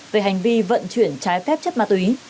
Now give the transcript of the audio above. về hành vi vận chuyển trái phép chất ma túy